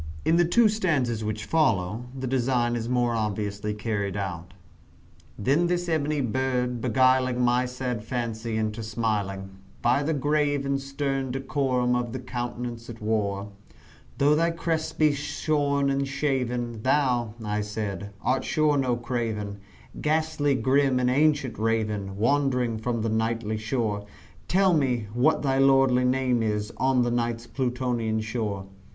In the two stanzas which follow, the design is more obviously carried out: Then this ebony bird, beguiling my sad fancy into smiling By the grave and stern decorum of the countenance it wore, "Though thy crest be shorn and shaven, thou," I said, "art sure no craven, Ghastly grim and ancient Raven wandering from the Nightly shore Tell me what thy lordly name is on the Night's Plutonian shore?"